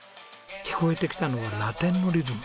聞こえてきたのはラテンのリズム。